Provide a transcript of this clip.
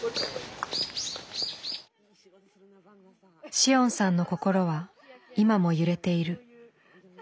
紫桜さんの心は今も揺れている。